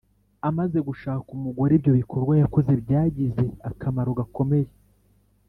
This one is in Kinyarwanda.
Amaze gushaka umugore ibyo bikorwa yakoze byagize akamaro gakomeye